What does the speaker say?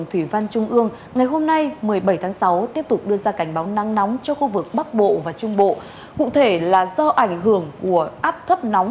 thì nên đưa đi khám ở các bác sĩ tâm thần